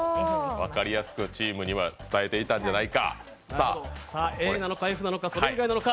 分かりやすくチームには伝えたんじゃないか。